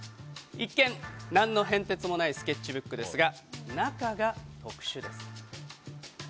一見何の変哲もないスケッチブックですが中が特殊です。